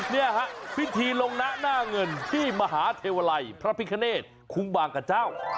เนี่ยฮะพิธีลงนะหน้าเงินที่มหาเทวาลัยพระพิคเนตคุ้งบางกระเจ้า